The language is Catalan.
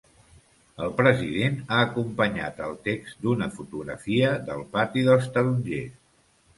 El president ha acompanyat el text d’una fotografia del pati dels tarongers.